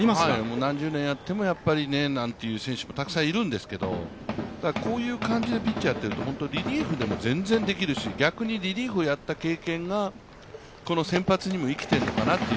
何十年やってもねという選手もたくさんいるんですけど、こういう感じでピッチャーやってると、リリーフでも全然できるし逆にリリーフをやった経験が先発にも生きてるのかなと。